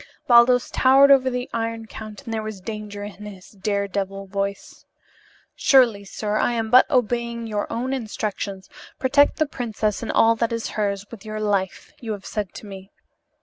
Baldos towered over the Iron Count and there was danger in his dare devil voice. "Surely, sir, I am but obeying your own instructions. 'Protect the princess and all that is hers, with your life,' you have said to me."